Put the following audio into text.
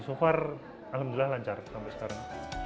so far alhamdulillah lancar sampai sekarang